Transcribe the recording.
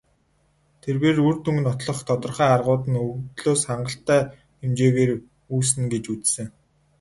Тэр бээр үр дүнг нотлох тодорхой аргууд нь өгөгдлөөс хангалттай хэмжээгээр үүснэ гэж үзсэн.